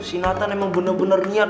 si natan emang bener bener niat